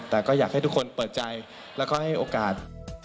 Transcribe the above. แต่ก็อยากให้ทุกคนเปิดใจแล้วก็ให้โอกาส